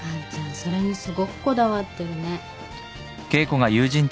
それにすごくこだわってるね。